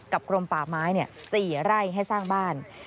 กรมป่าไม้๔ไร่ให้สร้างบ้าน